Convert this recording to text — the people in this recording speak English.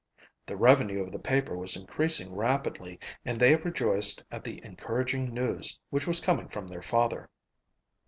The revenue of the paper was increasing rapidly and they rejoiced at the encouraging news which was coming from their father.